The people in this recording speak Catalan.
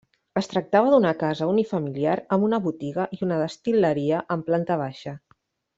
Es tractava d'una casa unifamiliar amb una botiga i una destil·leria en planta baixa.